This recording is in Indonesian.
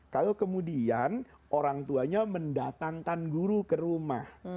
kalau kemudian orang tuanya mendatang tan guru ke rumah